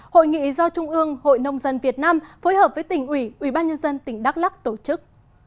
hội nghị do trung ương hội nông dân việt nam phối hợp với tỉnh ủy ủy ban nhân dân tỉnh đắk lắc tổ chức